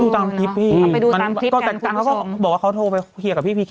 ต้องดูตามคลิปพี่